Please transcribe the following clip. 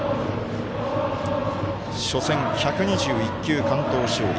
初戦１２１球、完投勝利。